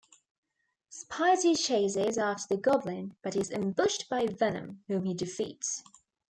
Spidey chases after the Goblin, but is ambushed by Venom, whom he defeats.